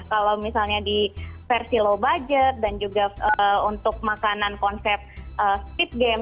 kalau misalnya di versi low budget dan juga untuk makanan konsep speed game